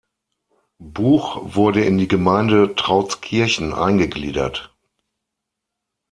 Buch wurde in die Gemeinde Trautskirchen eingegliedert.